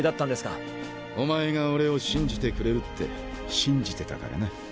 お前が俺を信じてくれるって信じてたからな。